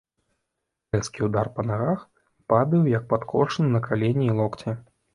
Рэзкі ўдар па нагах, падаю як падкошаны на калені і локці.